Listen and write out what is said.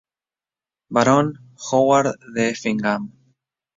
Barón Howard de Effingham.